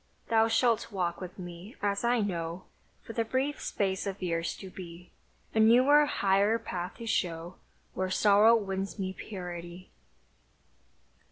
Thou shalt walk with me, as I know, For the brief space of years to be; A newer, higher path to show Where sorrow wins me purity!